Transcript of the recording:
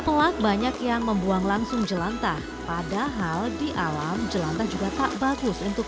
pelak banyak yang membuang langsung jelantah padahal di alam jelantah juga tak bagus untuk